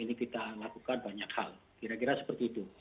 ini kita lakukan banyak hal kira kira seperti itu